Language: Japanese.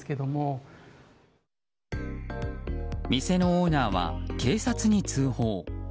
店のオーナーは警察に通報。